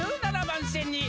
「１７番線に」